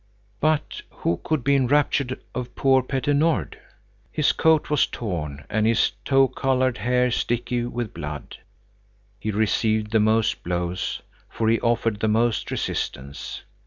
But who could be enraptured of poor Petter Nord? His coat was torn and his tow colored hair sticky with blood. He received the most blows, for he offered the most resistance.